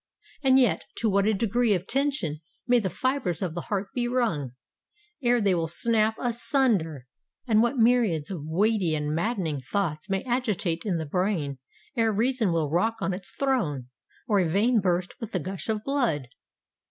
And yet to what a degree of tension may the fibres of the heart be wrung, ere they will snap asunder!—and what myriads of weighty and maddening thoughts may agitate in the brain, ere reason will rock on its throne, or a vein burst with the gush of blood!